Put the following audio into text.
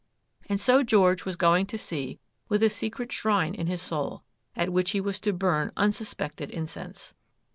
And so George was going to sea with a secret shrine in his soul, at which he was to burn unsuspected incense.